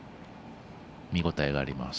見応えがあります。